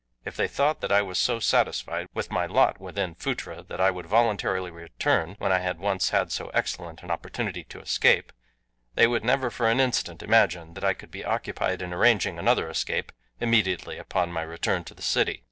If they thought that I was so satisfied with my lot within Phutra that I would voluntarily return when I had once had so excellent an opportunity to escape, they would never for an instant imagine that I could be occupied in arranging another escape immediately upon my return to the city.